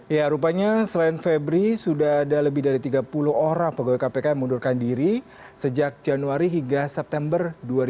ya rupanya selain febri sudah ada lebih dari tiga puluh orang pegawai kpk yang mengundurkan diri sejak januari hingga september dua ribu dua puluh